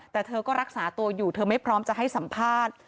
แต่เธอก็รักษาตัวอยู่เธอไม่พร้อมจะให้สัมภาษณ์